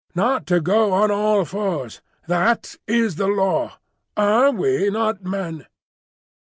"Not to go on all fours; that is the Law. Are we not Men?"